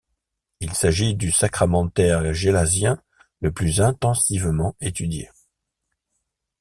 Il s'agit du sacramentaire gélasien le plus intensivement étudié.